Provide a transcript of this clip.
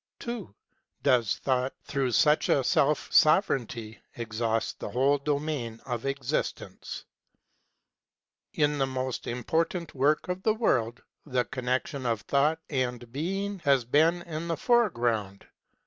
(2) Does Thought, through such a self sovereignty, exhaust the whole domain of existence ? In the most important work of the world the connection of Thought and Being has been in the foreground.